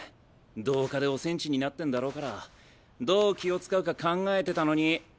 同化でおセンチになってんだろうからどう気を遣うか考えてたのに。